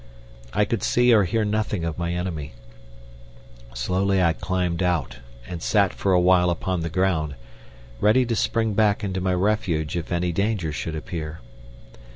I could see or hear nothing of my enemy. Slowly I climbed out and sat for a while upon the ground, ready to spring back into my refuge if any danger should appear.